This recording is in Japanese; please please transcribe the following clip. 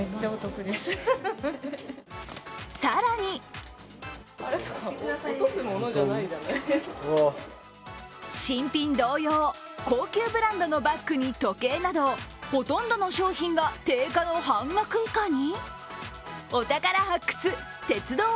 更に新品同様、高級ブランドのバッグに時計などほとんどの商品が定価の半額以下に？